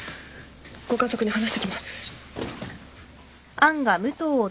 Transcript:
ご家族に話してきます。